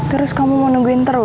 terus kamu mau nungguin terus